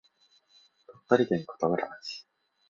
鳥取県琴浦町